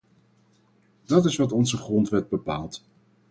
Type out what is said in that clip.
Dat is wat onze grondwet bepaalt.